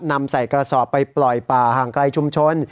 นำใส่กระสอบไปปล่อยป่าห่างไกลชุมชน